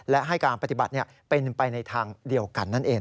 และให้การปฏิบัติเป็นไปในทางเดียวกันนั่นเอง